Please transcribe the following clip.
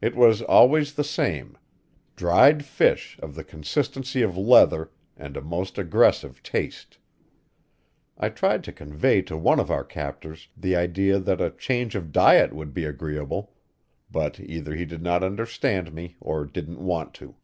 It was always the same dried fish of the consistency of leather and a most aggressive taste. I tried to convey to one of our captors the idea that a change of diet would be agreeable, but either he did not understand me or didn't want to.